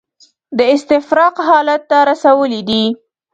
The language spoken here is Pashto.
د استفراق حالت ته رسولي دي.